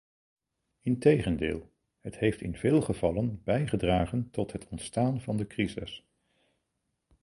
Integendeel, het heeft in veel gevallen bijgedragen tot het ontstaan van de crises.